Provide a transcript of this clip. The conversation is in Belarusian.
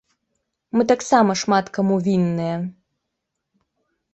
Мы таксама шмат каму вінныя.